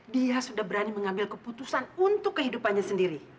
dia sudah berani mengambil keputusan untuk kehidupannya sendiri